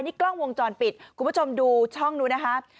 นี่กล้องวงจรปิดคุณผู้ชมดูช่องนู้นนะคะ